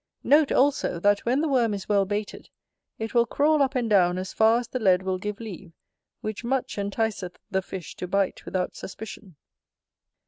Note also, that when the worm is well baited, it will crawl up and down as far as the lead will give leave, which much enticeth the fish to bite without suspicion.